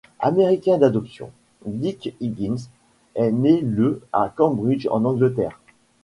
Américain d'adoption, Dick Higgins est né le à Cambridge en Angleterre.